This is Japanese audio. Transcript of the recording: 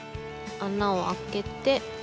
穴をあけて。